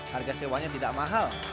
harga sewanya tidak mahal